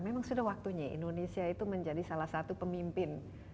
memang sudah waktunya indonesia itu menjadi salah satu pemimpin